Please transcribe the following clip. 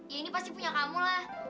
ya ini pasti punya kamu lah